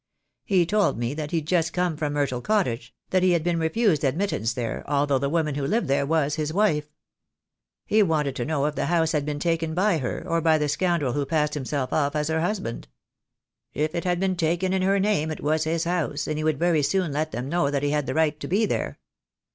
He told me that he'd just come from Myrtle Cottage, that he had been refused ad mittance there, although the woman who lived there was his wife. He wanted to know if the house had been taken by her, or by the scoundrel who passed himself off as her husband? If it had been taken in her name it was his house, and he would very soon let them know that he had the right to be there.